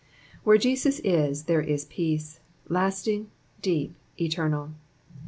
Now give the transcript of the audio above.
Where Jesus is there is peace, lasting, deep, eteinal.